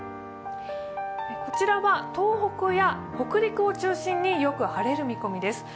こちらは東北や北陸を中心によく晴れる見込みです。